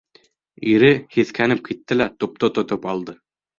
Ире һиҫкәнеп китте лә тупты тотоп алды.